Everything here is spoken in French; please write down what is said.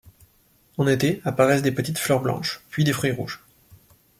En été, apparaissent des petites fleurs blanches puis des fruits rouges.